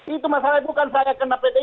itu masalahnya bukan saya kena pdip